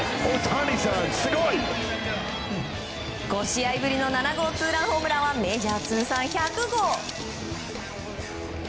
５試合ぶりの７号ツーランホームランはメジャー通算１００号。